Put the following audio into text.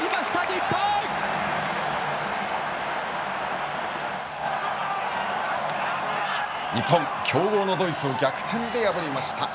日本、強豪のドイツを逆転で破りました。